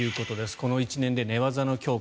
この１年で寝技の強化